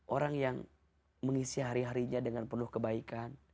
orang yang mengisi hari harinya dengan penuh kebaikan